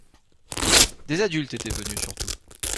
Des adultes étaient venus surtout.